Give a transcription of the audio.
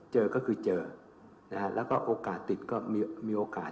เจอก็คือเจอนะฮะแล้วก็โอกาสติดก็มีโอกาส